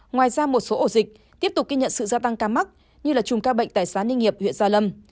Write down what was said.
ngoài ra một số ổ dịch tiếp tục ghi nhận sự gia tăng ca mắc như là chùm ca bệnh tại xã ninh hiệp huyện gia lâm